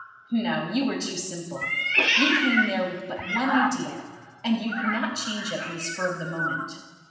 "No; you were too simple. You came there with but one idea, and you could not change it on the spur of the moment.